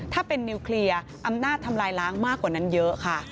ถ้าเป็นนิวเคลียร์อำนาจทำลายล้างมากกว่านั้นเยอะค่ะ